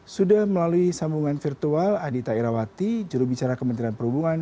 sudah melalui sambungan virtual adita irawati juru bicara kementerian perhubungan